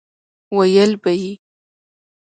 ويل به يې